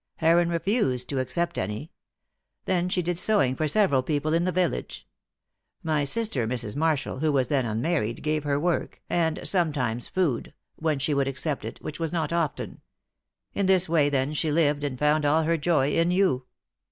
"Heron refused to accept any. Then she did sewing for several people in the village. My sister, Mrs. Marshall, who was then unmarried, gave her work, and sometimes food when she would accept it, which was not often. In this way, then, she lived, and found all her joy in you!"